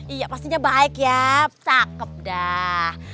iya pastinya baik ya cakep dah